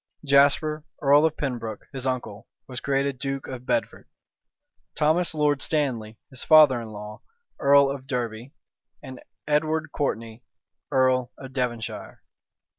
Jasper, earl of Pembroke, his uncle, was created duke of Bedford; Thomas Lord Stanley, his father in law, earl of Derby; and Edward Courtney, earl of Devonshire.